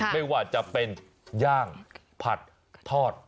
ไม่ว่าจะเป็นย่างผัดทอด